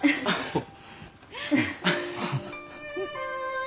フッ。